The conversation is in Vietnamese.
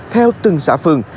theo từng xã phường